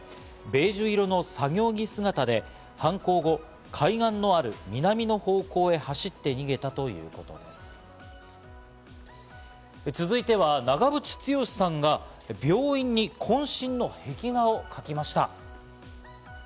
ベージュ色の作業着姿で犯行後、海岸がある南の方向に走って逃げ続いては長渕剛さんが病院に渾身の壁画を描きました。